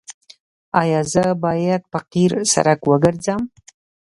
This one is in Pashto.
ایا زه باید په قیر سړک وګرځم؟